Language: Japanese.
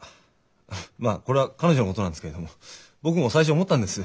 これは彼女のことなんですけれども僕も最初思ったんです。